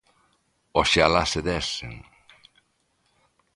Oxalá se desen!